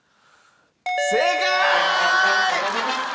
正解！